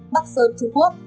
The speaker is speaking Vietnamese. bắc sơn trung quốc